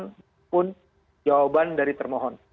ataupun jawaban dari termohon